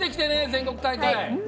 全国大会。